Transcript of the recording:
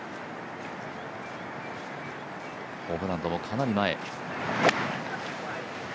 ホブランドもかなり前。